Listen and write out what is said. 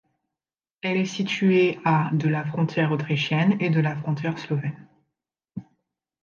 Elle est située à de la frontière autrichienne et de la frontière slovène.